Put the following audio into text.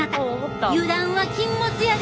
油断は禁物やで！